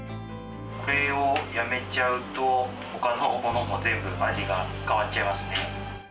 これをやめちゃうと、ほかのものも全部味が変わっちゃいますね。